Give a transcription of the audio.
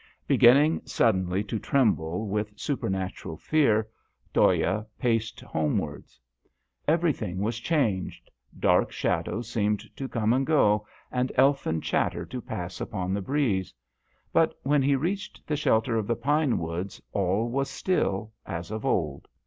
Beginning suddenly to tremble with supernatural DHOYA. fear Dhoya paced homewards. Everything was changed ; dark shadows seemed to come and go, and elfin chatter to pass upon the breeze. But when he reached the shelter of the pine woods all was still as of old.